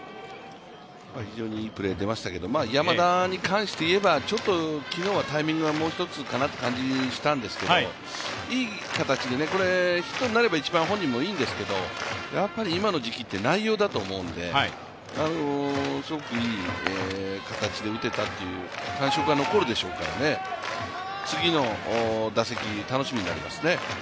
非常にいいプレー出ましたけど、山田に関していえばちょっと昨日はタイミングがもうひとつかなという感じがしたんですけどいい形で、ヒットになれば本人も一番いいんですけど、やっぱり今の時期って内容だと思うのですごくいい形で打てたっていう感触は残るでしょうからね、次の打席楽しみになりますね。